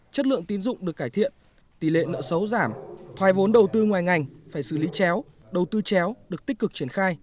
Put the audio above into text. chất lượng tín dụng được cải thiện tỷ lệ nợ xấu giảm thoài vốn đầu tư ngoài ngành phải xử lý chéo đầu tư chéo được tích cực triển khai